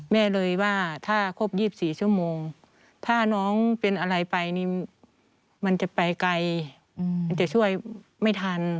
เลยว่าถ้าครบ๒๔ชั่วโมงถ้าน้องเป็นอะไรไปนี่มันจะไปไกลมันจะช่วยไม่ทัน